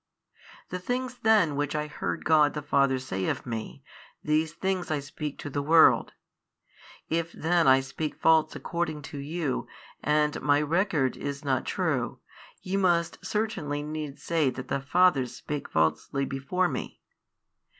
The things then which I heard God the Father say of Me, these things I speak to the world. If then I speak false according to you, and My record is not true, ye must certainly needs say that the Father spake falsely before Me.